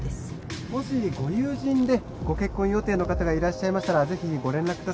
もしご友人でご結婚予定の方がいらっしゃいましたらぜひご連絡ください。